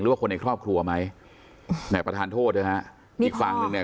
หรือว่าคนในครอบครัวไหมแม่ประทานโทษนะฮะมีพ่ออีกฝั่งหนึ่งเนี่ย